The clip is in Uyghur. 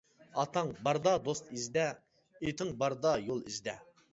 ئاتاڭ باردا دوست ئىزدە، ئېتىڭ باردا يول ئىزدە.